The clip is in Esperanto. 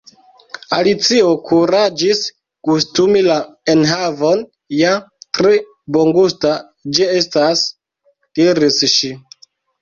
Alicio kuraĝis gustumi la enhavon. "Ja, tre bongusta ĝi estas," diris ŝi.